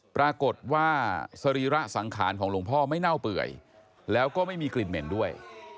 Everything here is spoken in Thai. ปรากฏว่าสรีระสังขารของหลวงพ่อไม่เน่าเปื่อยแล้วก็ไม่มีกลิ่นเหม็นด้วย